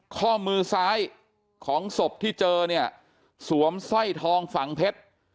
ข้อมือซ้ายของศพที่เจอเนี่ยสวมสร้อยทองฝังเพชร